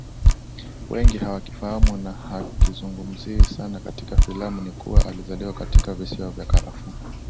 wengi hawakifahamu na hakizungumziwi sana katika filamu ni kuwa alizaliwa katika visiwa vya karafuu